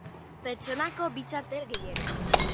Pertsonako bi txartel gehienez.